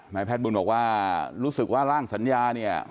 แพทย์บุญบอกว่ารู้สึกว่าร่างสัญญาเนี่ย